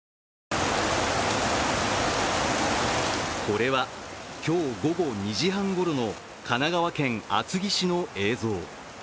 これは今日午後２時半ごろの神奈川県厚木市の映像。